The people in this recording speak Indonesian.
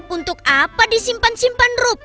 untuk apa disimpan simpan rupa